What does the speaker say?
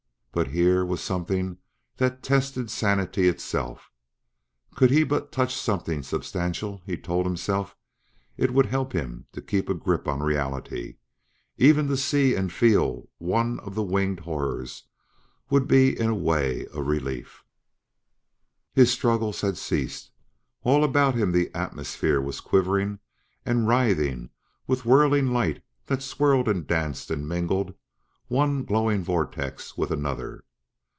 But here was something that tested sanity itself. Could he but touch something substantial, he told himself, it would help him to keep a grip on reality; even to see and feel one of the winged horrors would be in a way a relief. His struggles had ceased; all about him the atmosphere was quivering and writhing with whirling light that swirled and danced and mingled one glowing vortex with another.